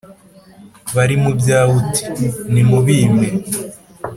bari mu byawe uti : nimubimpe.